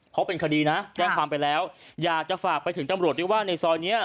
เพราะเป็นคดีนะแจ้งความไปแล้วอยากจะฝากไปถึงตำรวจด้วยว่าในซอยเนี้ย